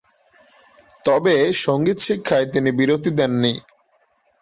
তবে সঙ্গীত শিক্ষায় তিনি বিরতি দেননি।